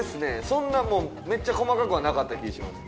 そんなもうめっちゃ細かくはなかった気します。